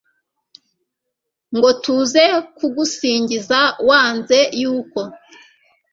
ngo tuze kugusingiza, wanze y'uko